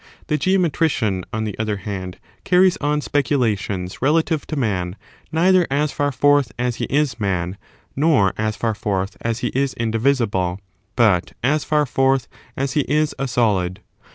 The geometrician, on the other hand, carries on specu lations relative to man neither as far forth as he is man, nor as hr forth as he is indivisible, but as far forth as he is a solid.